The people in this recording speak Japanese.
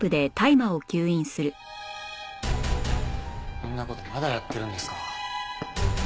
そんな事まだやってるんですか？